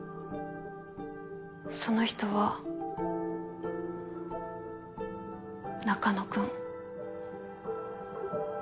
その人は中野くん。